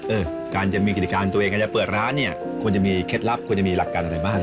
เออการจะมีกิจการตัวเองการจะเปิดร้านเนี่ยควรจะมีเคล็ดลับควรจะมีหลักการอะไรบ้าง